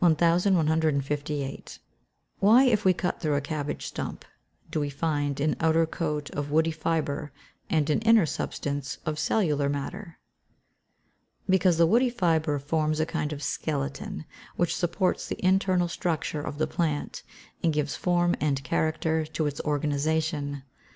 _Why, if we cut through a cabbage stump, do we find an outer coat of woody fibre, and an inner substance of cellular matter?_ Because the woody fibre forms a kind of skeleton, which supports the internal stricture of the plant, and gives form and character to its organisation.